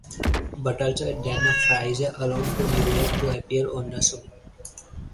Butters then flies alone to New York to appear on the show.